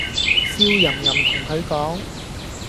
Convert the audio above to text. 笑淫淫同佢講